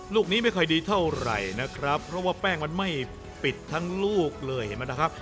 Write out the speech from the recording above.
ลูกนี้ไม่ค่อยดีเท่าไหร่นะครับเพราะว่าแป้งมันไม่ปิดทั้งลูกเลยเห็นไหมนะครับ